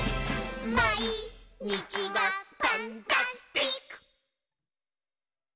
「まいにちがパンタスティック！」